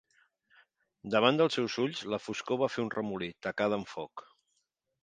Davant dels seus ulls, la foscor va fer un remolí, tacada amb foc.